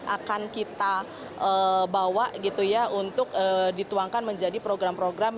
akan kita bawa untuk dituangkan menjadi program program